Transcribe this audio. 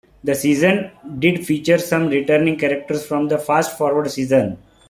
The season did feature some returning characters from the "Fast Forward" season.